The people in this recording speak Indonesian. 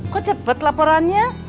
kok cepet laporannya